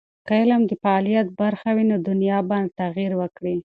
که علم د فعالیت برخه وي، نو دنیا به تغیر وکړي.